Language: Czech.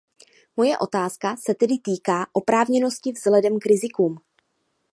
Moje otázka se tedy týká oprávněnosti vzhledem k rizikům.